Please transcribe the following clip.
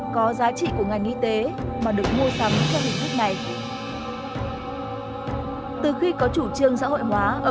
có giá trị của ngành y tế mà được mua sắm theo hình thức này từ khi có chủ trương xã hội hóa